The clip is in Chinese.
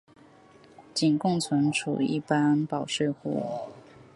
仅供存储一般保税货物。